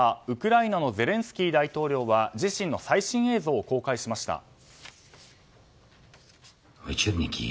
ウクライナのゼレンスキー大統領は自身の最新映像を公開しました。